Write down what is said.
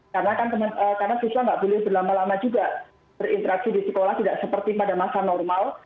karena siswa nggak boleh berlama lama juga berinteraksi di sekolah tidak seperti pada masa normal